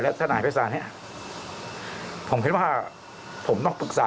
แต่จะต้องมีการอะไรหรือถูกทำ